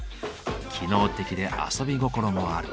機能的で遊び心もある。